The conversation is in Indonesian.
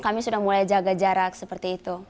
kami sudah mulai jaga jarak seperti itu